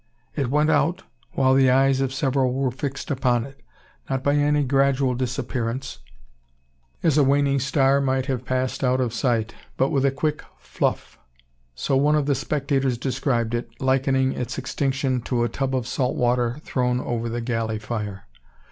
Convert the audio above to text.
It went out while the eyes of several were fixed upon it; not by any gradual disappearance, as a waning star might have passed out of sight, but with a quick "fluff;" so one of the spectators described it, likening its extinction to "a tub of salt water thrown over the galley fire."